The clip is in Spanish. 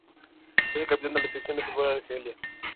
Es el capitán de la selección de fútbol de Argelia.